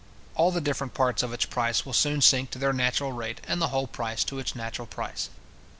All the different parts of its price will soon sink to their natural rate, and the whole price to its natural price.